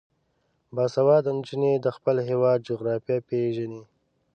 باسواده نجونې د خپل هیواد جغرافیه پیژني.